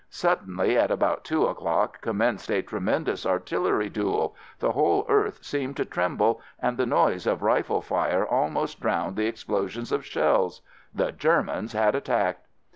Suddenly 44 AMERICAN AMBULANCE at about two o'clock commenced a tre mendous artillery duel — the whole earth seemed to tremble and the noise of rifle fire almost drowned the explosions of shells — the Germans had attacked